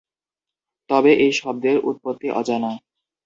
তবে এই শব্দের উৎপত্তি অজানা।